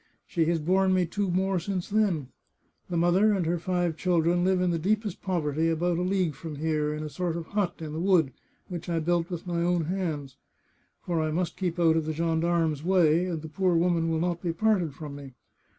She has borne me two more since then. The mother and her five children live in 386 The Chartreuse of Parma the deepest poverty about a league from here, in a sort of hut in the wood, which I built with my own hands. For I must keep out of the gendarmes' way, and the poor woman will not be parted from me.